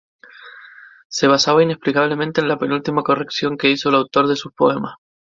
Se basaba, inexplicablemente, en la penúltima corrección que hizo el autor de sus poemas.